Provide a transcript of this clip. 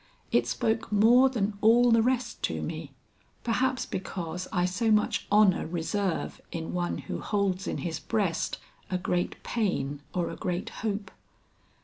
It spoke more than all the rest to me; perhaps because I so much honor reserve in one who holds in his breast a great pain or a great hope."